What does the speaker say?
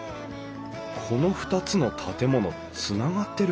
この２つの建物つながってる。